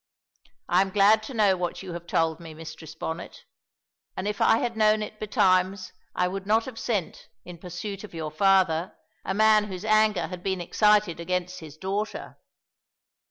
I am glad to know what you have told me, Mistress Bonnet, and if I had known it betimes I would not have sent, in pursuit of your father, a man whose anger had been excited against his daughter.